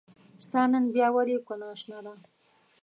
ستا نن بيا ولې کونه شنه ده